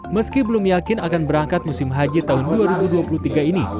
meski belum yakin akan berangkat musim haji tahun dua ribu dua puluh tiga ini